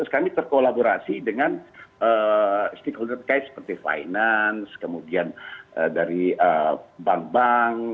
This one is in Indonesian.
kami berkolaborasi dengan stakeholder terkait seperti finance kemudian dari bank bank